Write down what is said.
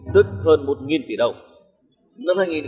tức hơn một tỷ đồng